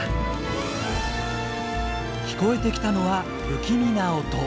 聞こえてきたのは不気味な音。